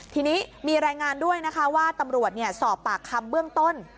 ทีนี้มีรายงานด้วยนะคะว่าตำรวจสอบปากคำเบื้องต้น